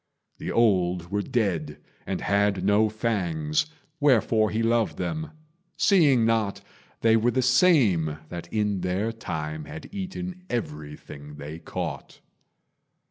The old were dead and had no fangs, Wherefore he loved them seeing not They were the same that in their time Had eaten everything they caught.